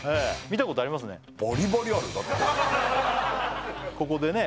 見たことありますね